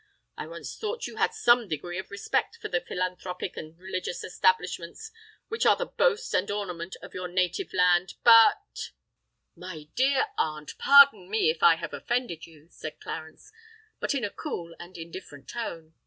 I once thought you had some degree of respect for the philanthropic and religious establishments which are the boast and ornament of your native land. But——" "My dear aunt, pardon me if I have offended you," said Clarence—but in a cool and indifferent tone.